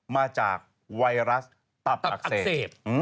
มาจากไวรัสตับอักเสบ